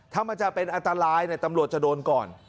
ถ้ามันจะเป็นอันตรายตำรวจจะโดนก่อน